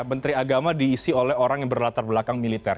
menteri agama diisi oleh orang yang berlatar belakang militer